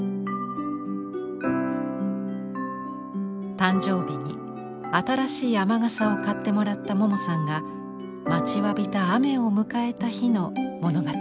誕生日に新しい雨傘を買ってもらったモモさんが待ちわびた雨を迎えた日の物語です。